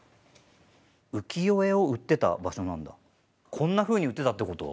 こんなふうに売ってたってこと？